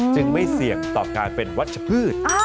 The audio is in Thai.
จึงไม่เสี่ยงต่อการเป็นวัชพืช